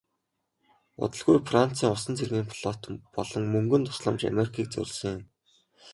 Удалгүй францын усан цэргийн флот болон мөнгөн тусламж америкийг зорьсон юм.